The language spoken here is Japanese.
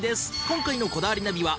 今回の『こだわりナビ』は。